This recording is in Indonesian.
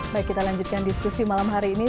baik kita lanjutkan diskusi malam hari ini